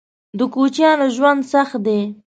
_د کوچيانو ژوند سخت دی.